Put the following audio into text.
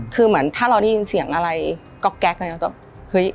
คือเหมือนถ้าเราได้ยินเสียงอะไรก็แก๊กเลย